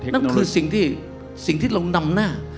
นั่นคือสิ่งที่เรานำหน้า